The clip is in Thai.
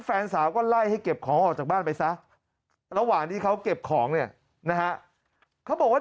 แฟนสาวก็ไล่ให้เก็บของออกจากบ้านไปซะระหว่างที่เขาเก็บของเนี่ยนะฮะเขาบอกว่า